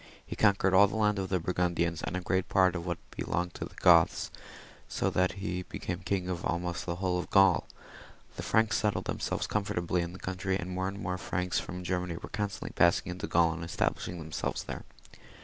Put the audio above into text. He conquered all the land of the Burgundians, and a great part of what belonged to the Goths, so that he became king of ahnost aU the whole of GauL The Franks settled themselves comfortably in the country, and more and more Franks from Germany were constantly passing into Gaul and establish ing themselves there.